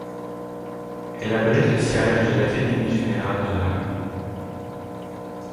Elle abrite le siège de l'Académie Générale de l'Air.